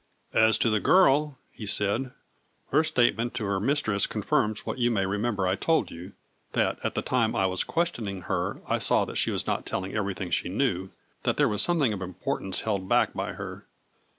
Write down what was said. " As to the girl," he said, " her statement to her mistress confirms what you may remember I told you, that at the time I was questioning her I saw that she was not telling everything she knew, that there was something of import ance held back by her.